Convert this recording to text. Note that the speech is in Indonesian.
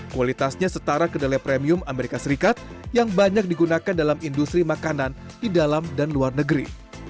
kualitasnya setara kedelai premium amerika serikat yang banyak digunakan dalam industri makanan di dalam dan luar negeri